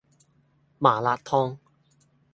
麻辣燙